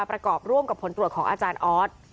ประกอบร่วมกับผลตรวจของอาจารย์ออส